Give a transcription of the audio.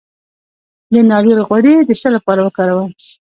د ناریل غوړي د څه لپاره وکاروم؟